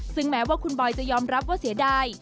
ซึ่งแม้ว่าคุณบอยจะยอมรับว่าเสียดาย